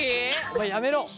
お前やめろ。